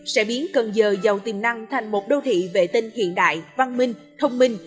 sẽ biến cần giờ giàu tiềm năng thành một đô thị vệ tinh hiện đại văn minh thông minh